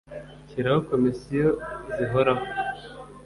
Gushyiraho komisiyo zihoraho